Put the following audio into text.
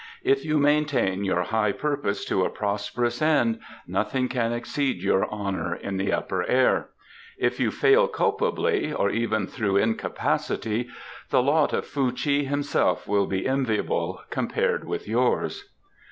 "If you maintain your high purpose to a prosperous end nothing can exceed your honour in the Upper Air; if you fail culpably, or even through incapacity, the lot of Fuh chi himself will be enviable compared with yours."